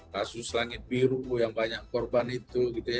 kasus langit biru yang banyak korban itu gitu ya